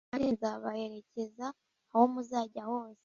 kandi nzabaherekeza aho muzajya hose.